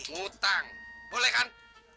ngutang boleh kan